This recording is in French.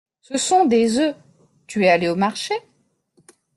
Ce sont des oeufs ! {{personnage|JE NNY.|c}} Tu es allé au marché ?